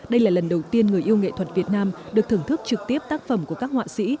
đây là lần đầu tiên người yêu nghệ thuật việt nam được thưởng thức trực tiếp tác phẩm của các họa sĩ